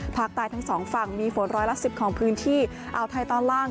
ภาคใต้ทั้งสองฝั่งมีฝนร้อยละ๑๐ของพื้นที่อ่าวไทยตอนล่าง